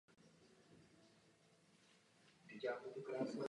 Vychodil národní a měšťanskou školu v Bílině a vystudoval učitelský ústav v Linci.